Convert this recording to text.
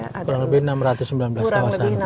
kurang lebih enam ratus sembilan belas kawasan